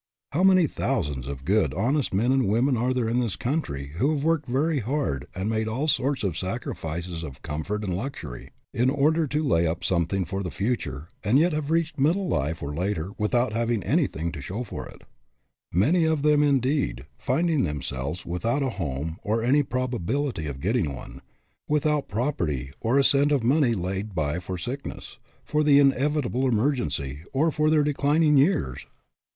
How many thousands of good, honest men and women there are in this country who have worked very hard and made all sorts of sacri fices of comfort and luxury in order to lay up something for the future, and yet have reached middle life or later without having anything to show for it; many of them, in deed, finding themselves without a home or any probability of getting one, without prop erty or a cent of money laid by for sickness, for the inevitable emergency, or for their declining years!